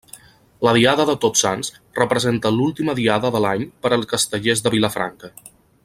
La diada de Tots Sants representa l'última diada de l'any per als Castellers de Vilafranca.